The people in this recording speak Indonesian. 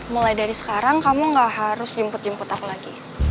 mulai dari sekarang kamu gak harus jemput jemput aku lagi